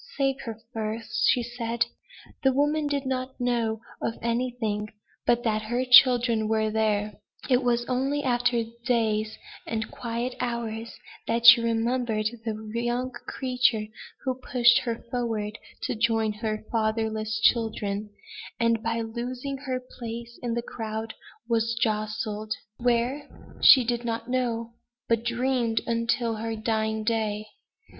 "Save her first!" said she. The woman did not know of anything, but that her children were there; it was only in after days, and quiet hours, that she remembered the young creature who pushed her forward to join her fatherless children, and, by losing her place in the crowd, was jostled where, she did not know but dreamed until her dying day.